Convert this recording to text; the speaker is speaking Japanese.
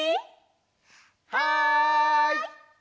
はい！